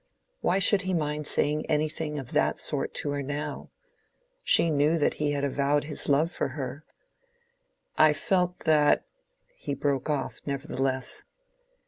Why should he mind saying anything of that sort to her now? She knew that he had avowed his love for her. "I felt that"—he broke off, nevertheless.